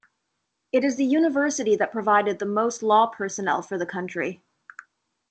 It is the university that provided the most law personnel for the country.